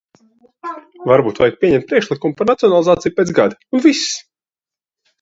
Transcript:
Varbūt vajag pieņemt priekšlikumu par nacionalizāciju pēc gada, un viss!